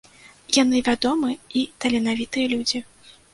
Яны вядомыя і таленавітыя людзі.